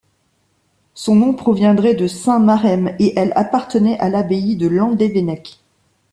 Son nom proviendrait de saint Warhem et elle appartenait à l'abbaye de Landévennec.